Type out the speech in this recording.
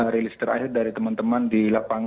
rilis terakhir dari teman teman di lapangan